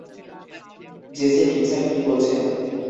জেসে কিনসার কি বলছেন?